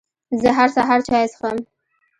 زه هر سهار چای څښم